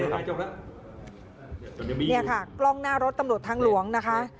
เนี่ยค่ะกล้องหน้ารถตำรวจทางหลวงนะคะ